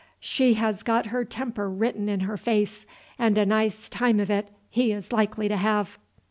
She has got her temper written in her face, and a nice time of it he is likely to have."